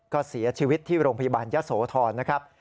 ก็เสียชีวิตที่โรงพยาบาลยะโสธรนะครับ